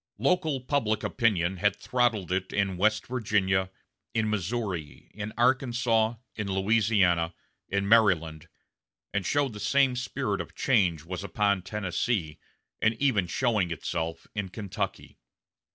Local public opinion had throttled it in West Virginia, in Missouri, in Arkansas, in Louisiana, in Maryland, and the same spirit of change was upon Tennessee, and even showing itself in Kentucky.